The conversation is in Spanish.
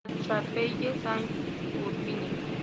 La Chapelle-Saint-Sulpice